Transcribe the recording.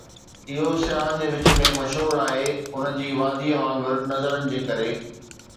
اهو سياحن جي وچ ۾ مشهور آهي ان جي وادي وانگر نظرن جي ڪري.